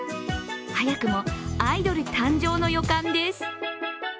早くもアイドル誕生の予感です。